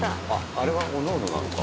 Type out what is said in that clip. あれはおのおのなのか。